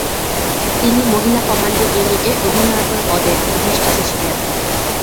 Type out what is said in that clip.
তিনি মহিলা কমান্ডো ইউনিটে অধিনায়কের পদে অধিষ্ঠিত ছিলেন।